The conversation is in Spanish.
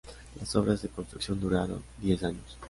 Las obras de construcción duraron diez años.